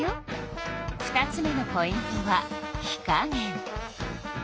２つ目のポイントは火加減。